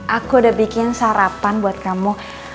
aku udah bikin sarapan buat kamu